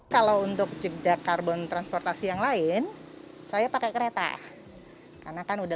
kalau untuk jejak karbon transportasi yang lain saya pakai kereta